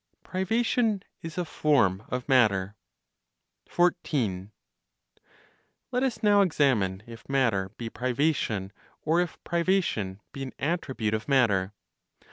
PRIVATION IS A FORM OF MATTER. 14. Let us now examine if matter be privation, or if privation be an attribute of matter.